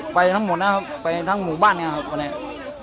ไปทั้งหมดน่ะไปทั้งหมู่บ้านนี่ห้ะแต่วะเนี้ย